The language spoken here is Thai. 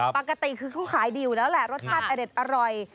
ปกติคือเขาขายดีอยู่แล้วแหละรสชาติอเด็ดอร่อย